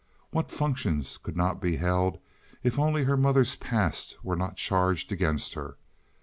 What functions could not be held if only her mother's past were not charged against her!